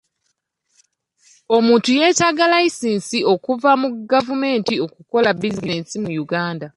Omuntu yeetaaga layisinsi okuva mu gavumenti okukola bizinensi mu Uganda.